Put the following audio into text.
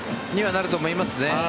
なると思いますね。